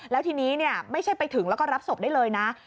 แล้วทีนี้ไม่ใช่ไปถึงแล้วก็รับศพได้เลยนะ